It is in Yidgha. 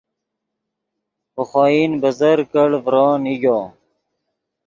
ڤے خوئن بزرگ کڑ ڤرو نیگو